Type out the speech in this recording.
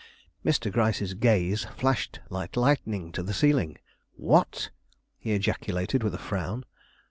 Mr. Gryce's gaze flashed like lightning to the ceiling. "What!" he ejaculated with a frown.